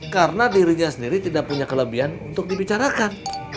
karena dirinya sendiri tidak punya kelebihan untuk dibicarakan